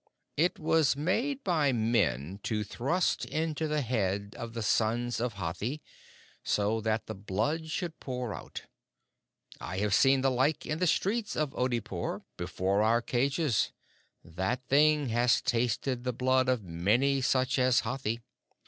"It was made by men to thrust into the head of the sons of Hathi, so that the blood should pour out. I have seen the like in the street of Oodeypore, before our cages. That thing has tasted the blood of many such as Hathi."